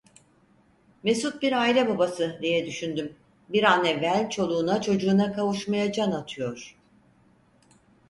Mesut bir aile babası, diye düşündüm, bir an evvel çoluğuna, çocuğuna kavuşmaya can atıyor.